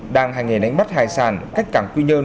đang hành nghề đánh bắt hải sản cách cảng quy nhơn